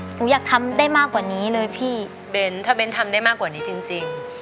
หนูอยากทำได้มากกว่านี้เลยพี่เบ้นถ้าเบ้นทำได้มากกว่านี้จริง